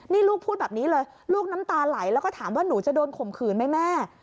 นี่ลูกพูดแบบนี้เลยลูกน้ำตาไหลแล้วก็ถามว่าหนูจะโดนข่มขืนไหมแม่